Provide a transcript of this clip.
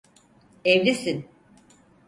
Evlisin.